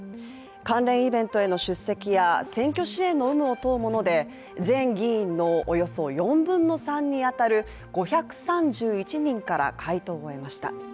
関連イベントへの出席や選挙支援の有無を問うもので全議員のおよそ４分の３に当たる５３１人から回答を得ました。